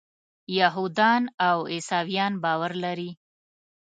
یهودان او عیسویان باور لري.